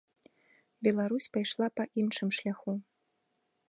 Беларусь пайшла па іншым шляху.